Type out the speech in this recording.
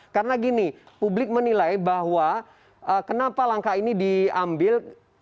karena gini publik menilai bahwa kenapa langkah ini diambil